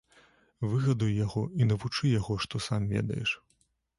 Выгадуй яго і навучы яго, што сам ведаеш.